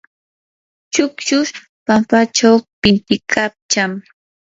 chukllush pampachaw pintiykachan.